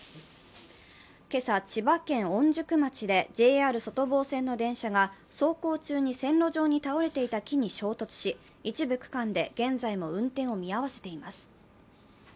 今朝、千葉県御宿町でＪＲ外房線の電車が走行中に線路上に倒れていた木に衝突し、一部区間で現在も運転を見合わせています。